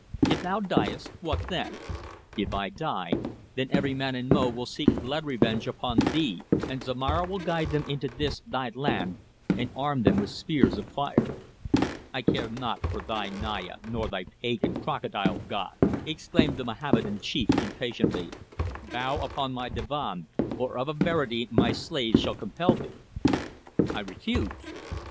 If thou diest what then?" "If I die, then every man in Mo will seek blood revenge upon thee, and Zomara will guide them into this, thy land, and arm them with spears of fire." "I care nought for thy Naya nor thy pagan Crocodile god," exclaimed the Mohammedan chief impatiently. "Bow unto my divan, or of a verity my slaves shall compel thee." "I refuse."